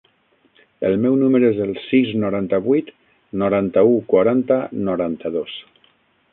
El meu número es el sis, noranta-vuit, noranta-u, quaranta, noranta-dos.